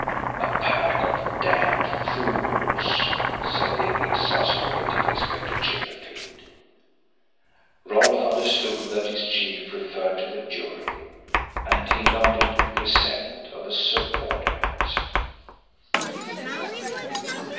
"A pack of damned fools," said the exasperated Inspector Chippenfield. Rolfe understood that his chief referred to the jury, and he nodded the assent of a subordinate.